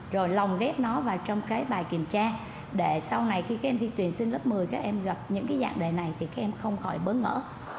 rồi lòng ghép nó vào trong bài kiểm tra để sau này khi các em thi tuyển sinh lớp một mươi các em gặp những dạng đề này thì các em không khỏi bớ ngỡ